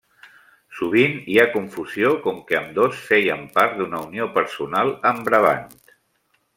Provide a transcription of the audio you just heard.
Sovint hi ha confusió com que ambdós feien part d'una unió personal amb Brabant.